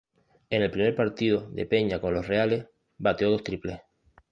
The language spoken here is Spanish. En el primer partido de Peña con los Reales, bateó dos triples.